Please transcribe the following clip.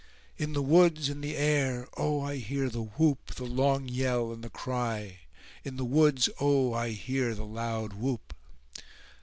"In the woods, in the air, oh, I hear the whoop, the long yell, and the cry: In the woods, oh, I hear the loud whoop!"